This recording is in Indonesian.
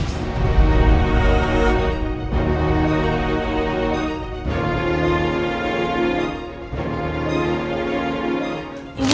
kamu dikeluarin dari kampus